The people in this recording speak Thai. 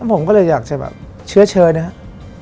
ผมก็เลยอยากจะเชื้อนะครับ